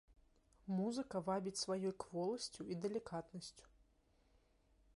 Музыка вабіць сваёй кволасцю і далікатнасцю.